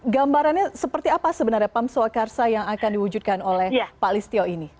gambarannya seperti apa sebenarnya pam swakarsa yang akan diwujudkan oleh pak listio ini